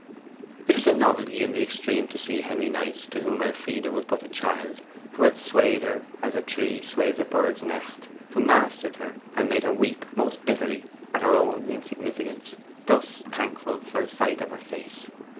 It was a novelty in the extreme to see Henry Knight, to whom Elfride was but a child, who had swayed her as a tree sways a bird's nest, who mastered her and made her weep most bitterly at her own insignificance, thus thankful for a sight of her face.